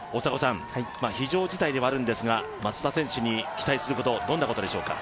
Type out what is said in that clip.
非常事態ではあるんですが松田選手に期待することはどんなことでしょうか。